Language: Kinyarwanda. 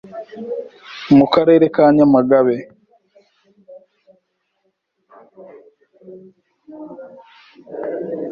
Mu karere ka Nyamagabe